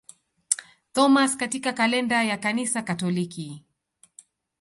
Thomas katika kalenda ya Kanisa Katoliki.